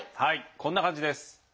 こんな感じです。